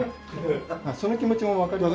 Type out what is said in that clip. その気持ちもわかります。